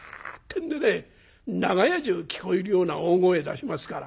長屋中聞こえるような大声出しますから。